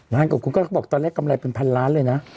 ล้านกว่าคนก็บอกตอนแรกกำไรเป็น๑๐๐๐ล้านเลยนะ